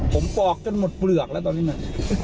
ผมปลอกจนหมดปลือกละตอนนี้